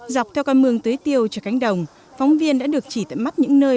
dọc theo con mương tới tiêu cho cánh đồng phóng viên đã được chỉ tại mắt những nơi